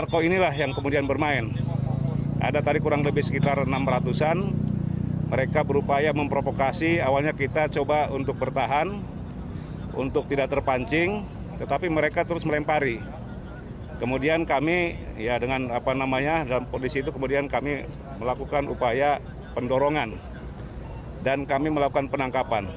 kami melakukan penangkapan